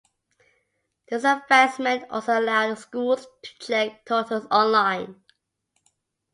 This advancement also allowed schools to check totals online.